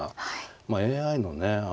まあＡＩのね